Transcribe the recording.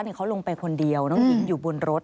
เขาลงไปคนเดียวน้องหญิงอยู่บนรถ